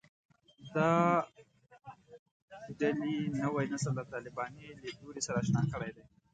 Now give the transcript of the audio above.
دا ډلې نوی نسل له طالباني لیدلوري سره اشنا کړی دی